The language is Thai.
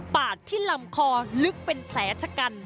ปากที่ลำคอลึกเป็นแผลชะกัน